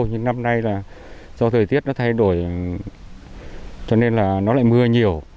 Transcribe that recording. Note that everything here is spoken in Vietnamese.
nhưng năm nay là do thời tiết nó thay đổi cho nên là nó lại mưa nhiều